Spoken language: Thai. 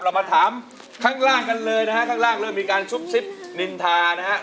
เรามาถามข้างล่างกันเลยนะฮะข้างล่างเริ่มมีการซุบซิบนินทานะฮะ